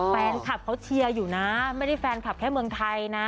แฟนคลับเขาเชียร์อยู่นะไม่ได้แฟนคลับแค่เมืองไทยนะ